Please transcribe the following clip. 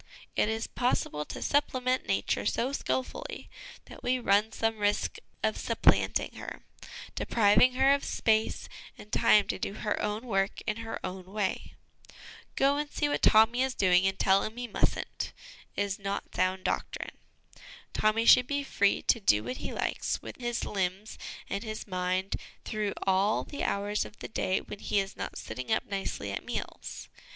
It is possible to supplement Nature so skilfully that we run some risk of supplanting her, depriving her of space and time to do her own work in her own way. ' Go and see what Tommy is doing and tell him he mustn't/ IQ2 HOME EDUCATION is not sound doctrine. Tommy should be free to do what he likes with his limbs and his mind through all the hours of the day when he is not sitting up nicely at meals.